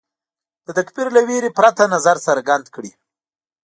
د تکفیر له وېرې پرته نظر څرګند کړي